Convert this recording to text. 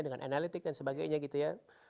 dengan analitik dan sebagainya gitu ya